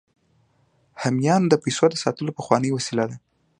همیانۍ د پیسو د ساتلو پخوانۍ وسیله ده